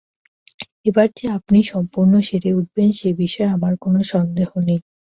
এবার যে আপনি সম্পূর্ণ সেরে উঠবেন, সে বিষয়ে আমার কোন সন্দেহ নেই।